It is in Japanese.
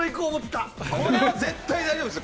これは絶対大丈夫です！